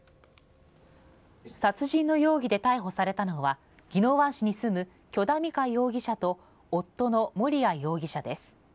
殺人の容疑で逮捕されたのは、宜野湾市に住む許田美香容疑者と、夫の盛哉容疑者です。